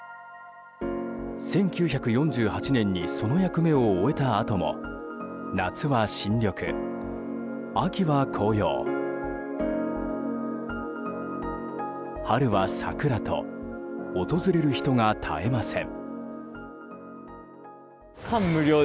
１９４８年にその役目を終えたあとも夏は新緑、秋は紅葉、春は桜と訪れる人が絶えません。